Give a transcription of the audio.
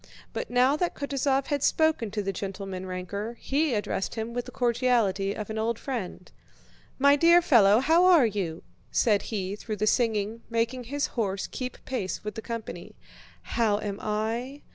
But now that Kutúzov had spoken to the gentleman ranker, he addressed him with the cordiality of an old friend. "My dear fellow, how are you?" said he through the singing, making his horse keep pace with the company. "How am I?"